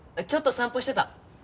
ちょっと散歩してた。